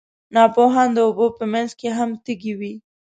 ناپوهان د اوبو په منځ کې هم تږي وي.